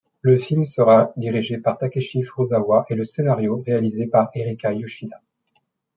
Le film sera dirigé par Takeshi Furusawa et le scénario réalisé par Erika Yoshida.